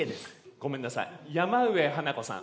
ごめんなさい山上花子さん。